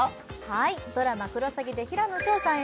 はいドラマ「クロサギ」で平野紫耀さん